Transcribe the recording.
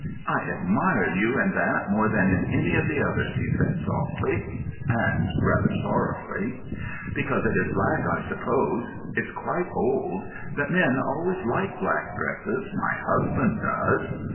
"I admire you in that more than in any of the others," he said, softly, and rather sorrowfully. "Because it is black, I suppose. It's quite old. But men always like black dresses. My husband does."